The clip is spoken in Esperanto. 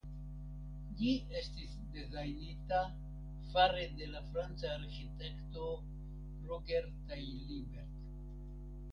Ĝi estis dezajnita fare de la franca arĥitekto Roger Taillibert.